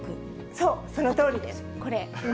そう、そのとおりです。